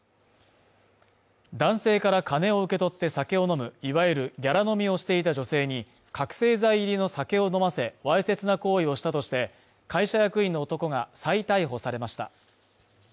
男性から金を受け取って酒を飲む、いわゆるギャラ飲みをしていた女性に覚醒剤入りの酒を飲ませ、わいせつな行為をしたとして、会社役員の男が再逮捕されました。